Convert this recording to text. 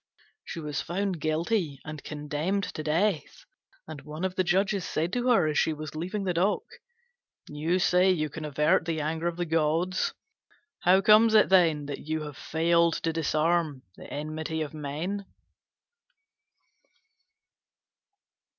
She was found guilty and condemned to death: and one of the judges said to her as she was leaving the dock, "You say you can avert the anger of the gods. How comes it, then, that you have failed to disarm the enmity of men?"